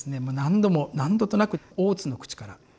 もう何度も何度となく大津の口から。